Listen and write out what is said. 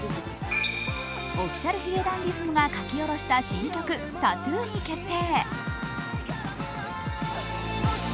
Ｏｆｆｉｃｉａｌ髭男ｄｉｓｍが書き下ろした新曲「ＴＡＴＴＯＯ」に決定。